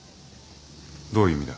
どういう意味だ？